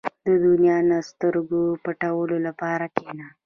• د دنیا نه د سترګو پټولو لپاره کښېنه.